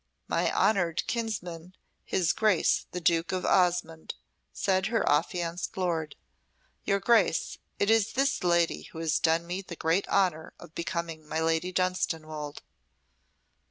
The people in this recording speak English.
"My honoured kinsman, his Grace the Duke of Osmonde," said her affianced lord. "Your Grace it is this lady who is to do me the great honour of becoming my Lady Dunstanwolde."